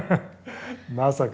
まさか。